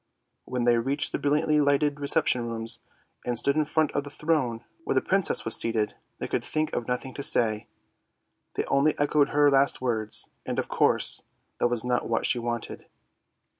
When the}^ reached the brilliantly lighted reception rooms, and stood in front of the throne where the Princess was seated, they could think of nothing to say, they only echoed her last words, and of course that was not what she wanted.